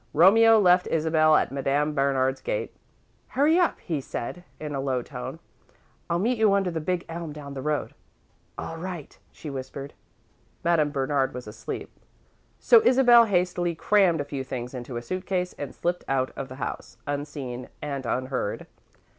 Romeo left Isabel at Madame Bernard's gate. "Hurry up," he said, in a low tone. "I'll meet you under the big elm down the road." "All right," she whispered. Madame Bernard was asleep, so Isabel hastily crammed a few things into a suit case and slipped out of the house, unseen and unheard.